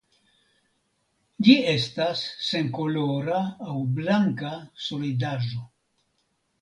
Ĝi estas senkolora aŭ blanka solidaĵo.